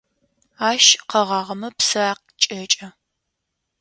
Ащ къэгъагъэмэ псы акӏекӏэ.